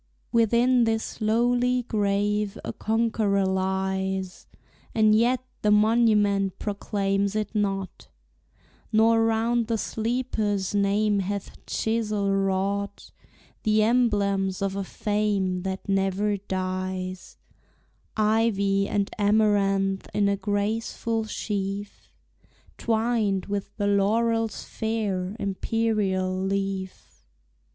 Within this lowly grave a Conqueror lies, And yet the monument proclaims it not, Nor round the sleeper's name hath chisel wrought The emblems of a fame that never dies, Ivy and amaranth in a graceful sheaf, Twined with the laurel's fair, imperial leaf.